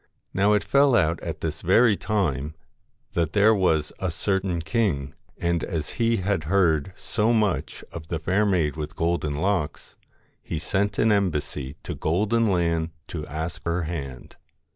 Now it fell out at this very time that there was a certain king, and as he had heard so much of the fair maid with golden locks, he sent an embassy to Golden Land to ask her hand.